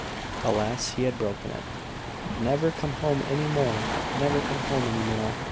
Alas, he had broken it! "Never come home any more! Never come home any more!"